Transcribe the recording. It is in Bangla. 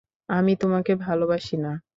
আমি তোমাকে ভালোবাসি না।